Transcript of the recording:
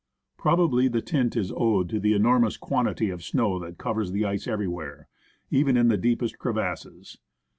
Probably the tint is owed to the enormous quantity of snow that covers the ice everywhere, even in the deepest crevasses.